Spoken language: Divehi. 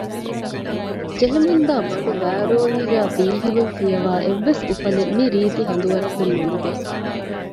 ޖެހެމުންދާ މަޑުވައިރޯޅީގައި ބީހިލުން ފިޔަވައި އެއްވެސް އުފަލެއް މިރީތި ހަނދުވަރަކުން ނުލިބޭ